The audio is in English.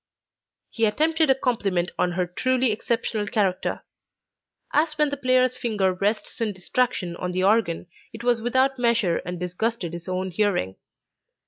He attempted a compliment on her truly exceptional character. As when the player's finger rests in distraction on the organ, it was without measure and disgusted his own hearing.